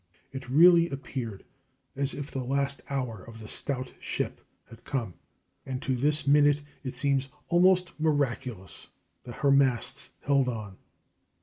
It really appeared as if the last hour of the stout ship had come, and to this minute it seems almost miraculous that her masts held on.